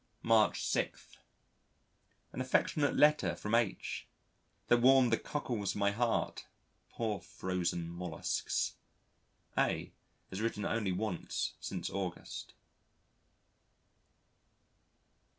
March 6. An affectionate letter from H that warmed the cockles of my heart poor frozen molluscs. A has written only once since August.